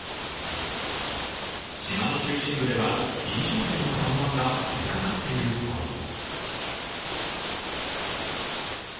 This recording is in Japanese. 島の中心部では飲食店の看板がとれかかっているところも。